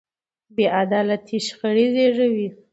بې عدالتي شخړې زېږوي